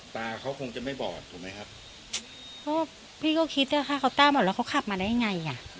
ตาเขาคงจะไม่บอดถูกไหมครับก็พี่ก็คิดว่าถ้าเขาต้าบอดแล้วเขาขับมาได้ยังไงอ่ะ